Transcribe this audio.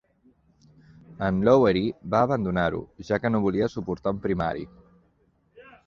En Lowery va abandonar-ho, ja que no volia suportar un primari.